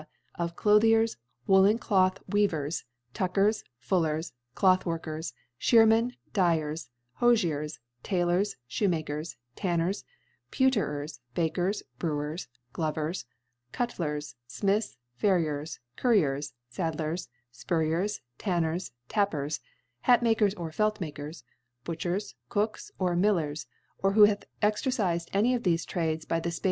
of Clothiers, Woollen Cloth Weavers, Tuckers, Fullers, Clothwork ers, Shearmen, Dyers, Hofiers, Taylors, Shoemakers, Tanners, Pcwterers, Bakers, Brewers, Glovers, Cuders, Smiths, Far riers, Curriers, Sadlers, Spurriers, Tur* ners, Tappers, Hatmakers or Feltmakcrs, ^Butchers, Cooks, or Millers, or who hath cxercifed any of thefe Trades by the Space * 5 Eliz.